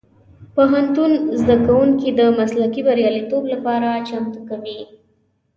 پوهنتون زدهکوونکي د مسلکي بریالیتوب لپاره چمتو کوي.